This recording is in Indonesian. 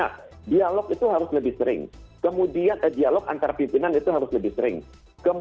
akumulasi dari hal hal yang kecil itu bisa berdampak kepada yang besar misalnya